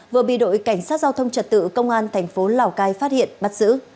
có bị đội cảnh sát giao thông trật tự công an tp lào cai phát hiện bắt giữ